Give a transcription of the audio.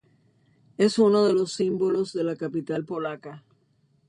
Es uno de los símbolos de la capital polaca.